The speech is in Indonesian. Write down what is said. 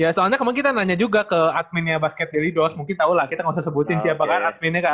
ya soalnya kemarin kita nanya juga ke adminnya basket delidos mungkin tau lah kita gak usah sebutin siapa kan adminnya kan